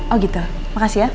oh gitu makasih ya